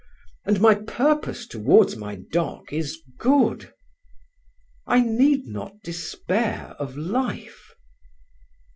And my purpose towards my dog is good. I need not despair of Life."